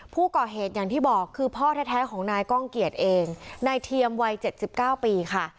ผู้ก่อเหตุอย่างที่บอกคือพ่อแท้ของนายก้องเกียจเองนายเทียมวัย๗๙ปีค่ะ